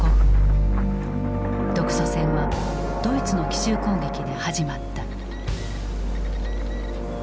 独ソ戦はドイツの奇襲攻撃で始まった。